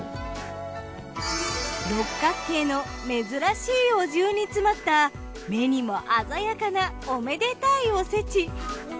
六角形の珍しいお重に詰まった目にも鮮やかなおめでたいおせち。